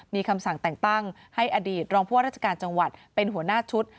มีคำสั่งแต่งตั้งให้อดีตรองผู้ว่าราชการจังหวัดเป็นหัวหน้าชุด